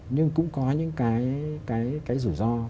nhưng cũng có những rủi ro